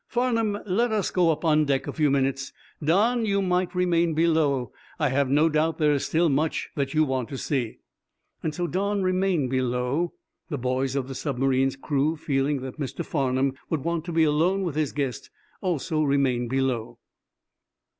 "Farnum, let us go up on deck a few minutes. Don, you might remain below. I have no doubt there is still much that you want to see." So Don remained below. The boys of the submarine's crew, feeling that Mr. Farnum would want to be alone with his guest, also remained below.